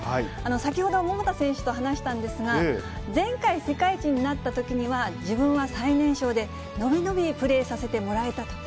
先ほど桃田選手と話したんですが、前回、世界一になったときには、自分は最年少で、伸び伸びプレーさせてもらえたと。